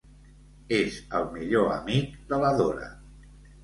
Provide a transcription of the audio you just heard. És el millor amic de la Dora.